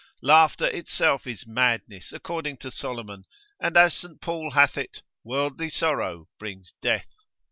Laughter itself is madness according to Solomon, and as St. Paul hath it, Worldly sorrow brings death.